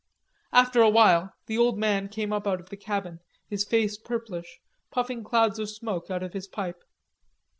After a while the old man came up out of the cabin, his face purplish, puffing clouds of smoke out of his pipe.